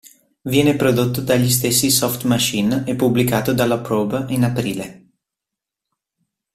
Viene prodotto dagli stessi Soft Machine e pubblicato dalla Probe in aprile.